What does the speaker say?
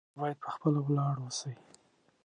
تاسو باید په خپله ولاړ اوسئ